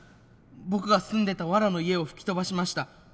僕が住んでたわらの家を吹き飛ばしました。